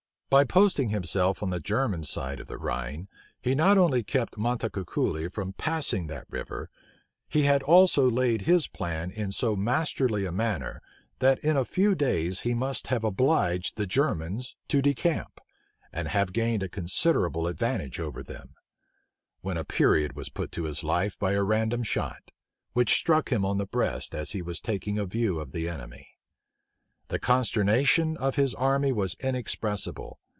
By posting himself on the German side of the Rhine, he not only kept Montecuculi from passing that river: he had also laid his plan in so masterly a manner, that in a few days he must have obliged the Germans to decamp, and have gained a considerable advantage over them; when a period was put to his life by a random shot, which struck him on the breast as he was taking a view of the enemy. The consternation of his army was inexpressible.